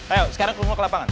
ayo sekarang rumah ke lapangan